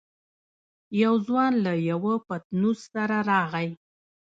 يو ځوان له يوه پتنوس سره راغی.